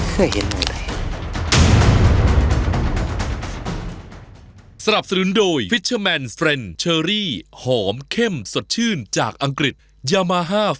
เคยเห็นมึงไหม